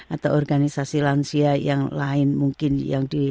atau organisasi lansia yang lain mungkin yang di